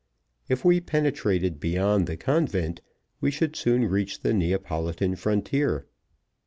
If we penetrated beyond the convent we should soon reach the Neapolitan frontier.